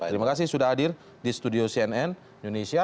terima kasih sudah hadir di studio cnn indonesia